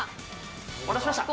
お待たせしました。